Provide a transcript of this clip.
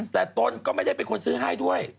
แต่ตนก็ไม่ได้เป็นคนซื้อให้ด้วย